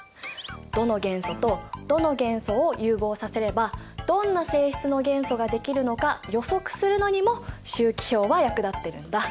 どの元素とどの元素を融合させればどんな性質の元素ができるのか予測するのにも周期表は役立ってるんだ。